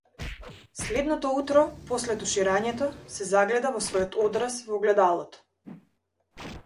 Следното утро, после туширањето, се загледа во својот одраз во огледалото.